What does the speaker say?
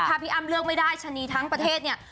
ถ้าพี่อ้ำเลือกไม่ได้ชะนีทั้งประเทศเนี่ย